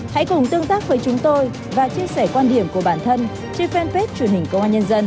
hãy cùng tương tác với chúng tôi và chia sẻ quan điểm của bản thân trên fanpage truyền hình công an nhân dân